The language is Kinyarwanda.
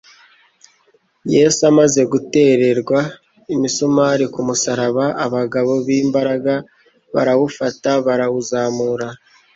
Yesu amaze gutererwa imisumari ku musaraba, abagabo b'imbaraga barawufata, barawuzamura,